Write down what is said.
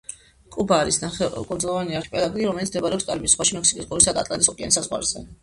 კუბა არის კუნძულოვანი არქიპელაგი, რომელიც მდებარეობს კარიბის ზღვაში მექსიკის ყურისა და ატლანტის ოკეანის საზღვარზე.